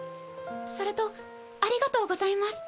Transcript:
それとありがとうございます。